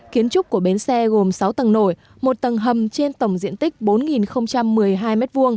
kiến trúc của bến xe gồm sáu tầng nổi một tầng hầm trên tổng diện tích bốn một mươi hai m hai